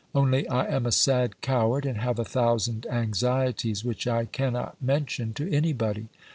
Only, I am a sad coward, and have a thousand anxieties which I cannot mention to any body.